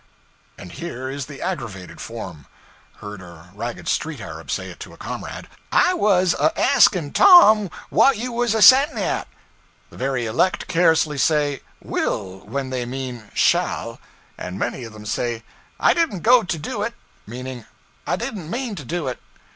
And here is the aggravated form heard a ragged street Arab say it to a comrade: 'I was a ask'n' Tom whah you was a sett'n' at.' The very elect carelessly say 'will' when they mean 'shall'; and many of them say, 'I didn't go to do it,' meaning 'I didn't mean to do it.'